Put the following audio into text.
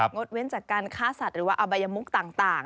ดเว้นจากการฆ่าสัตว์หรือว่าอบัยมุกต่าง